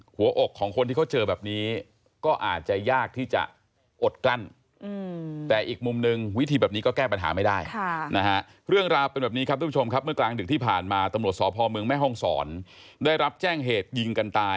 หัวอกของคนที่เค้าเจอแบบนี้